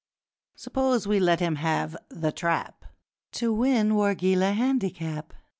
Suppose we let him have The Trap To win Wargeilah Handicap!'